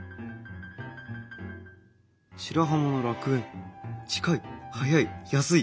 白浜の楽園「近い・早い・安い。